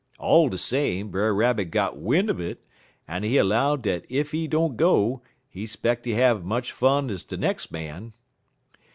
All de same, Brer Rabbit got win' un it, en he 'low dat ef he don't go, he 'speck he have much fun ez de nex' man.